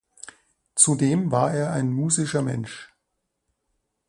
Zudem war er ein musischer Mensch.